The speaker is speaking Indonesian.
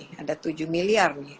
sekitar satu miliar nih